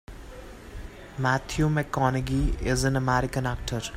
Matthew McConaughey is an American actor.